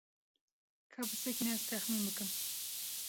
Ka bisekine ez texmîn bikim.